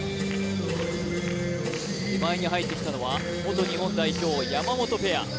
手前に入ってきたのは元日本代表山本ペア